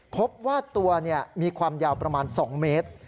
พบว่าตัวมีความยาวประมาณ๒เมตร